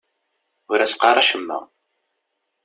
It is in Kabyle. Ur as-qqar acemma.